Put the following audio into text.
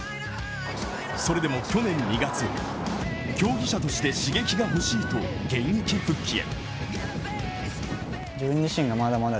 それでも去年２月、競技者として刺激が欲しいと現役復帰へ。